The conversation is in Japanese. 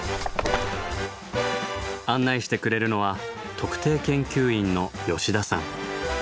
案内してくれるのは特定研究員の吉田さん。